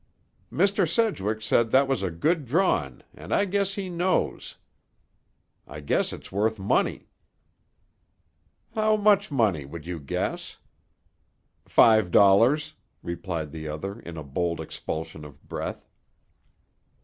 "Mr. Sedgwick said that was a good drawin', and I guess he knows. I guess it's worth money." "How much money, would you guess?" "Five dollars," replied the other, in a bold expulsion of breath.